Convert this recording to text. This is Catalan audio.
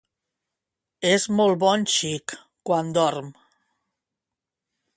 És molt bon xic... quan dorm.